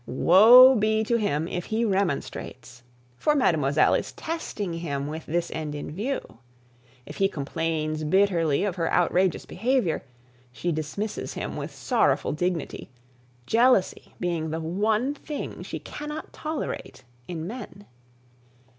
Woe be to him if he remonstrates! For Mademoiselle is testing him with this end in view. If he complains bitterly of her outrageous behaviour, she dismisses him with sorrowful dignity, jealousy being the one thing she cannot tolerate in men.